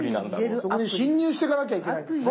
そこに進入してかなきゃいけないんですね。